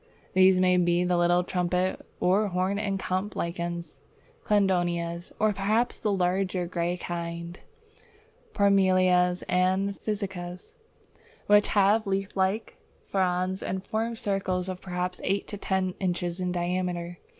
These may be the little trumpet or horn and cup lichens, Cladonias, or perhaps the larger grey kinds, Parmelias and Physcias, which have leaf like fronds and form circles of perhaps eight to ten inches in diameter.